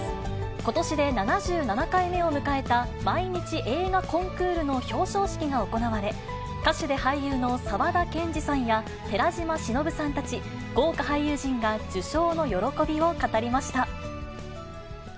ことしで７７回目を迎えた毎日映画コンクールの表彰式が行われ、歌手で俳優の沢田研二さんや寺島しのぶさんたち、豪華俳優陣が受賞の喜びを語りました。